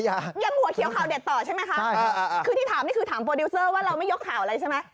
ยังหัวเขียวข่าวเด็ดต่อใช่ไหมคะคือที่ถามนี่คือถามโปรดิวเซอร์ว่าเราไม่ยกข่าวอะไรใช่ไหม